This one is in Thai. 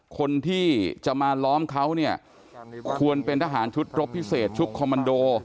คนที่จะมาล้อมเขาเนี่ยควรเป็นทหารชุดรบพิเศษชุดคอมมันโด